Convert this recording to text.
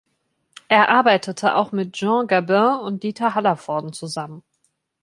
Er arbeitete auch mit Jean Gabin und Dieter Hallervorden zusammen.